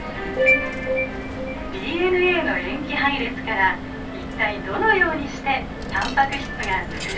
ＤＮＡの塩基配列から一体どのようにしてタンパク質がつくられるのでしょうか。